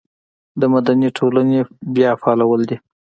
د مدني ټولنې بیا فعالول دي.